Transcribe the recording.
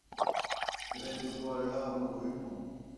Graet o doa al labour o-unan.